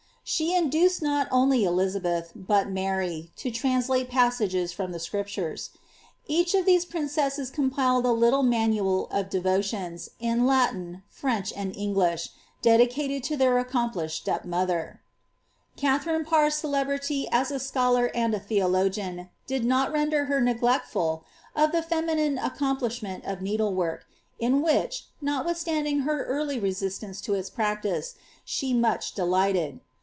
She induced not only Elizabeili, but Mary, to translate passages from the Scriptures. Each of these princesses compiled a little manual of devotions, in I^tin, French, and English, dedicated to their accomplished step mother.' Katharine Parr's celebrity as a scholar and a theologian, tlid not der Iter neglectful of the feminine accomplishment of needleivork, in which, notwithstanding her early reeielance to its practice, she much delighted.